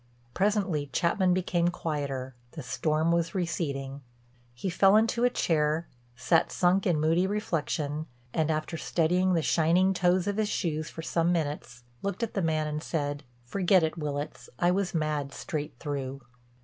Presently Chapman became quieter; the storm was receding. He fell into a chair, sat sunk in moody reflection, and, after studying the shining toes of his shoes for some minutes, looked at the man and said, "Forget it, Willitts. I was mad straight through."